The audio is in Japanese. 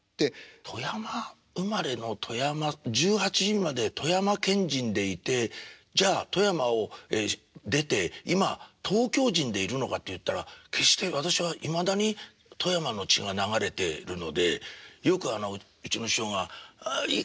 富山生まれの富山１８まで富山県人でいてじゃあ富山を出て今東京人でいるのかっていったら決して私はいまだに富山の血が流れてるのでよくあのうちの師匠が「ああいいか？